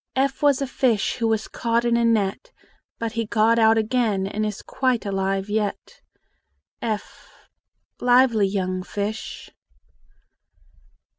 F was a fish Who was caught in a net; But he got out again, And is quite alive yet. f Lively young fish!